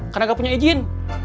karena nggak punya ijin